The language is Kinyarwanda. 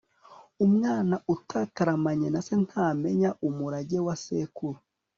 umwana utataramanye na se ntamenya umurage wa sekuru